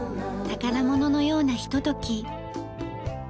宝物のようなひととき。